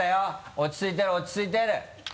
落ち着いてる落ち着いてる。